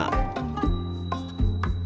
terbatasnya bus penjemput jemaah haji ini